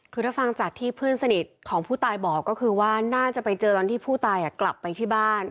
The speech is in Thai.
คือถ้าฟังจากที่เพื่อนสนิทของผู้ตายบอกก็คือว่าน่าจะไปเจอตอนที่ผู้ตายกลับไปที่บ้าน